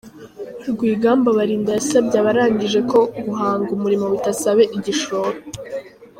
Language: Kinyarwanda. Rwigamba Barinda yasabye abarangije ko guhanga umurimo bitasaba igishoro.